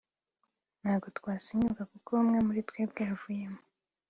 ntabwo twasenyuka kuko umwe muri twebwe yavuyemo